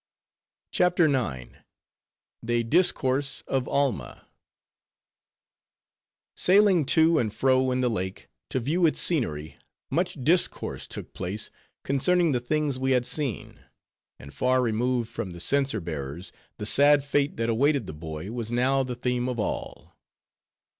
CHAPTER IX. They Discourse Of Alma Sailing to and fro in the lake, to view its scenery, much discourse took place concerning the things we had seen; and far removed from the censer bearers, the sad fate that awaited the boy was now the theme of all.